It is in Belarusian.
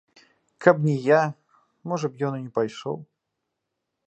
Каб не я, можа б, ён і не пайшоў.